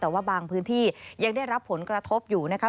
แต่ว่าบางพื้นที่ยังได้รับผลกระทบอยู่นะคะ